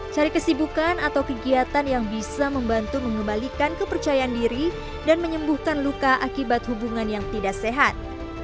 cari kesibukan atau kegiatan yang bisa membantu mengembalikan kepercayaan diri dan menyembuhkan luka akibat hubungan yang tidak sehat